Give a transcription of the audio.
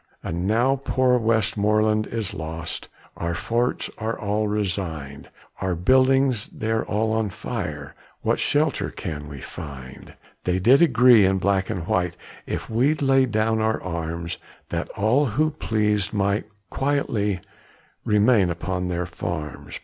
And now poor Westmoreland is lost, Our forts are all resigned, Our buildings they are all on fire, What shelter can we find? They did agree in black and white, If we'd lay down our arms, That all who pleased might quietly Remain upon their farms.